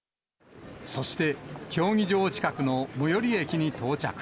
そして競技場近くの最寄り駅に到着。